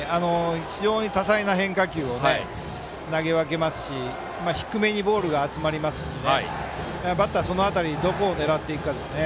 非常に多彩な変化球を投げ分けますし低めにボールが集まるのでバッター、その辺りどこを狙っていくかですね。